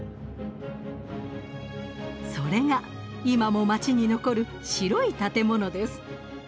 それが今も街に残る白い建物です。